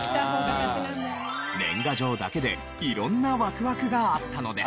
年賀状だけで色んなワクワクがあったのです。